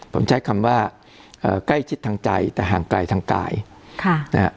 ผมใช้คำว่าเอ่อใกล้ชิดทางใจแต่ห่างไกลทางกายค่ะนะฮะ